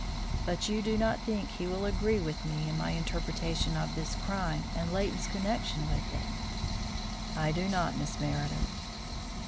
"But you do not think he will agree with me in my interpretation of this crime and Leighton's connection with it?" "I do not, Miss Meredith."